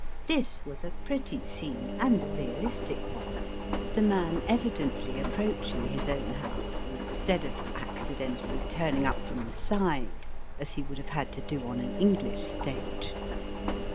This was a pretty scene and a realistic one, the man evidently approaching his own house instead of accidentally turning up from the side as he would have had to do on an English stage.